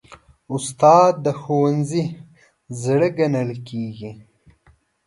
استاد د ښوونځي زړه ګڼل کېږي.